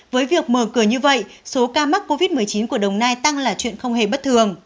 với việc mở cửa như vậy số ca mắc covid một mươi chín của đồng nai tăng là chuyện không hề bất thường